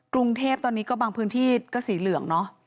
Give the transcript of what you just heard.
กรุงเทพตอนนี้ก็บางพื้นที่ก็สีเหลืองเนอะ